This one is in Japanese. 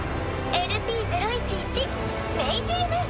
ＬＰ０１１メイジー・メイ。